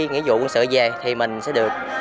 nghĩa vụ quân sự về thì mình sẽ được